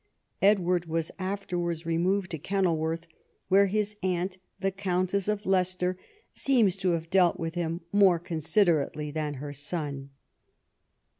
Edward was afterwards removed to Kenilworth, where his aunt, the Countess of Leicester, seems to have dealt with him more considerately than her son.